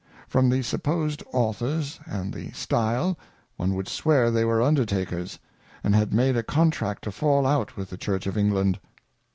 From the supposed Authors, and the Stile, one would swear they were Undertakers, and had made a Contract to fall out with the Church of England.